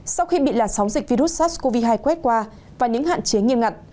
sau khi bị làn sóng dịch virus sars cov hai quét qua và những hạn chế nghiêm ngặt